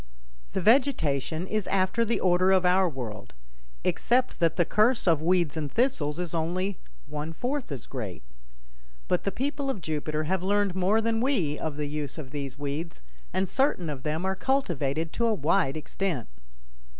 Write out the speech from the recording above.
The vegetation is after the order of our world, except that the curse of weeds and thistles is only one fourth as great. But the people of Jupiter have learned more than we of the use of these weeds, and certain of them are cultivated to a wide extent.